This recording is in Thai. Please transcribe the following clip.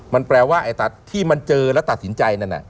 มันแปลว่าที่มันเจอและตัดสินใจนั้น